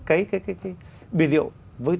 cái bia rượu